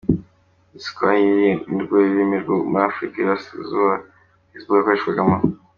Igiswahili nirwo rurimi rwo muri Afrika y’Iburasirazuba Facebook yakoreshagamo.